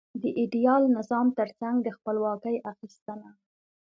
د ایډیال نظام ترڅنګ د خپلواکۍ اخیستنه.